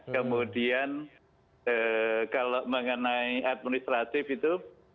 kemudian kalau mengenai administratif itu